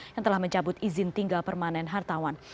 yang telah mencabut izin tinggal permanen hartawan